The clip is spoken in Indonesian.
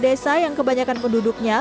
desa yang kebanyakan penduduknya